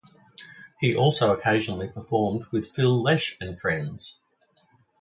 He has also occasionally performed with Phil Lesh and Friends.